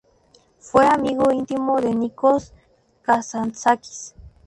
Fue amigo íntimo de Nikos Kazantzakis.